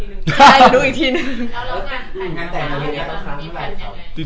ใช่จะดูอีกทีนึง